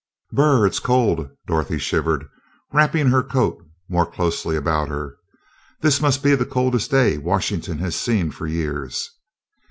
"Br r r, it's cold!" Dorothy shivered, wrapping her coat more closely about her. "This must be the coldest day Washington has seen for years!"